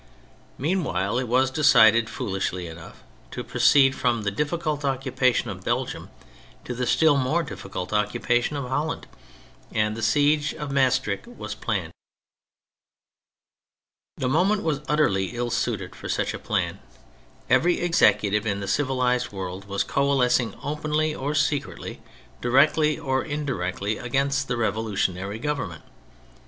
Meanwhile, it was decided, foolishly enough, to proceed from the difficult occupation of Belgium to the still more difficult occupation of Holland, and the siege of Maestricht was planned. The moment was utterly ill suited for such a plan. Every Executive in the civilised world was coalescing openly or secretly, directly or indirectly, against the revolution ary Government.